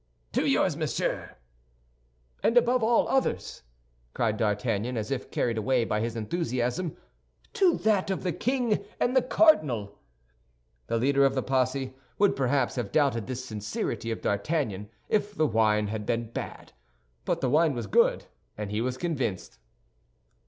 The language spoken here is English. "To yours, monsieur." "And above all others," cried D'Artagnan, as if carried away by his enthusiasm, "to that of the king and the cardinal." The leader of the posse would perhaps have doubted the sincerity of D'Artagnan if the wine had been bad; but the wine was good, and he was convinced.